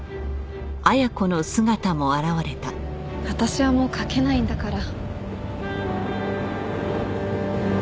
私はもう書けないんだから。